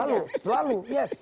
selalu selalu yes